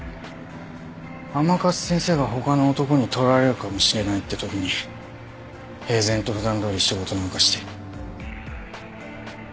甘春先生が他の男に取られるかもしれないってときに平然と普段どおり仕事なんかして。